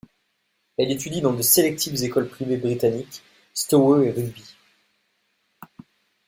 Elle étudie dans de sélectives écoles privées britanniques, Stowe et Rugby.